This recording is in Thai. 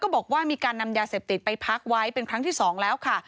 บอกว่ามีการนำยาเสพติดไปพักไว้เป็นครั้งที่๒แล้วค่ะ